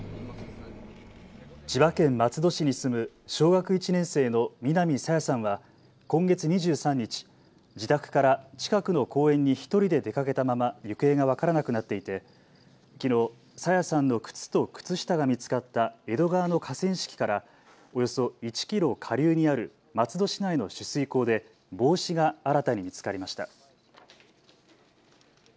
千葉県松戸市に住む小学１年生の南朝芽さんは今月２３日、自宅から近くの公園に１人で出かけたまま行方が分からなくなっていて、きのう朝芽さんの靴と靴下が見つかった江戸川の河川敷からおよそ１キロ下流にある松戸市内の取水口で帽子が新たに見つかりました。